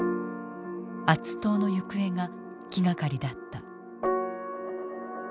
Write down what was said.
アッツ島の行方が気がかりだった。